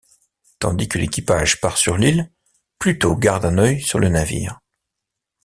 Tandis que l'équipage part sur l'île, Pluto garde un œil sur le navire.